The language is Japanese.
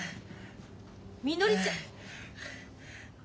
みのりちゃ。